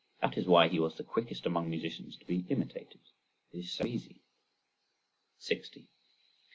That is why he was the quickest among musicians to be imitated. It is so easy. 60.